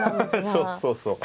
そうそうそう。